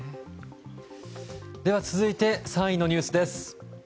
続いて３位のニュースです。